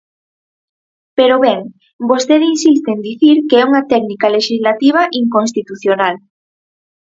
Pero ben, vostede insiste en dicir que é unha técnica lexislativa inconstitucional.